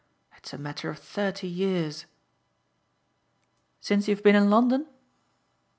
It's a matter of thirty years !" "Since you've been in London?"